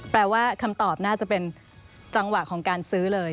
แปลว่าคำตอบน่าจะเป็นจังหวะของการซื้อเลย